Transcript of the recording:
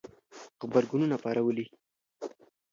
غبرګونونه پارولي